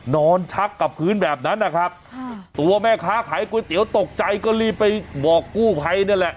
ชักกับพื้นแบบนั้นนะครับตัวแม่ค้าขายก๋วยเตี๋ยวตกใจก็รีบไปบอกกู้ภัยนั่นแหละ